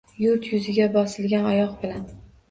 Yurt yuziga bosilgan oyogʼi bilan